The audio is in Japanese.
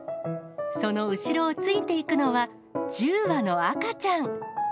その後ろをついていくのは、１０羽の赤ちゃん。